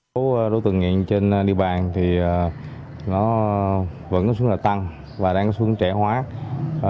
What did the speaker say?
công tác đấu tranh với tội phạm ma túy và gia đình người nghiện chưa cao